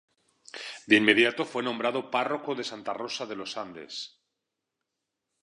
De inmediato fue nombrado párroco de Santa Rosa de Los Andes.